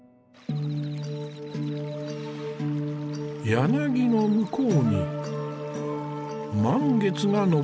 柳の向こうに満月が昇っている。